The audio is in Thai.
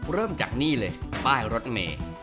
เริ่มจากนี่เลยป้ายรถเมย์